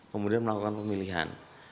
kemudian melakukan pemilihan